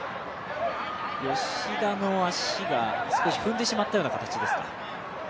吉田の足が少し踏んでしまったような形ですか？